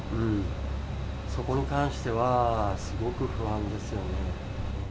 そこに関しては、すごく不安ですよね。